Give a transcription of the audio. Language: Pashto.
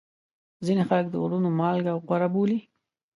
ځینې خلک د غرونو مالګه غوره بولي.